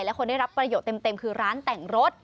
และคนได้รับประโยชน์เต็มคือร้านแต่งรถ